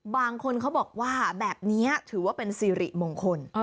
บางคนเขาบอกว่าแบบนี้ถือว่าเป็นสิริมงคล